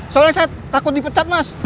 soalnya saya takut dipecat mas